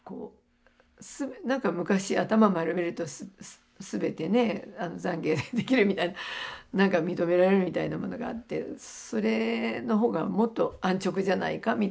何か昔頭丸めると全てね懺悔できるみたいな何か認められるみたいなものがあってそれの方がもっと安直じゃないかみたいなね。